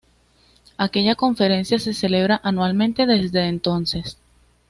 Aquella conferencia se celebra anualmente desde entonces.